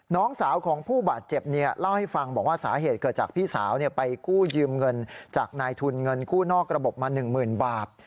น้องสาวของผู้บาดเจ็บเล่าให้ฟังบอกว่าสาเหตุเกิดจากพี่สาวไปกู้ยืมเงินจากนายทุนเงินกู้นอกระบบมา๑๐๐๐บาท